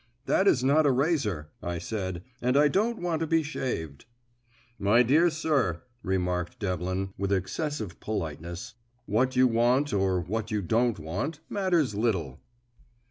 "That is not a razor," I said, "and I don't want to be shaved." "My dear sir," remarked Devlin, with excessive politeness, "what you want or what you don't want matters little."